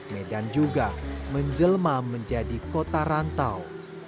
medan juga menjelma menjadi kota rantau